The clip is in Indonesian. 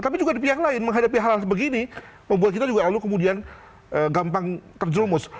tapi juga di pihak lain menghadapi hal hal sebegini membuat kita juga lalu kemudian gampang terjerumus